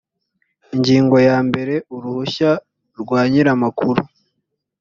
ingingo ya mbere uruhushya rwa nyir amakuru